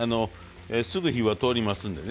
すぐ火は通りますんでね。